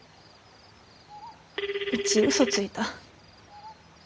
うちウソついた。